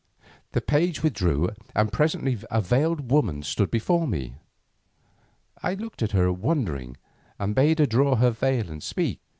The page withdrew, and presently a veiled woman stood before me. I looked at her wondering, and bade her draw her veil and speak.